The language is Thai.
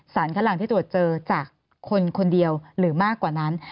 ข้างหลังที่ตรวจเจอจากคนคนเดียวหรือมากกว่านั้น